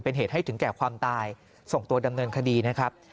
เป็นเหตุให้ถึงแก่ความตายส่งตัวดำเนินคดีนะครับ